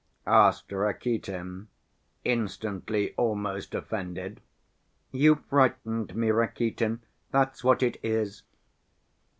asked Rakitin, instantly almost offended. "You frightened me, Rakitin, that's what it is."